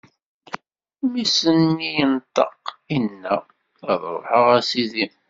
Mmi-s-nni yenṭeq, inna: Ad ṛuḥeɣ, a sidi!